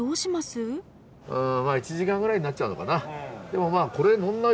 まあ１時間ぐらいになっちゃうのかな？